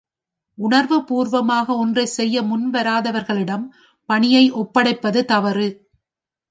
உணர்வு பூர்வமாக ஒன்றைச் செய்ய முன்வராதவர்களிடம் பணியை ஒப்படைப்பது தவறு.